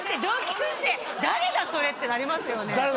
同級生「誰だそれ」ってなりますよね